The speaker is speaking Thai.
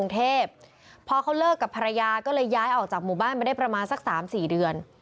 พอเขาเลิกกับภรรยาก็เลยย้ายออกจากหมู่บ้านมาได้ประมาณสัก๓๔เดือน